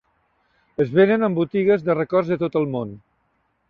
Es venen en botigues de records de tot el món.